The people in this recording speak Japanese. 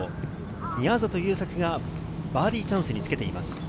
宮里優作がバーディーチャンスにつけています。